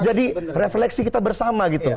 jadi refleksi kita bersama gitu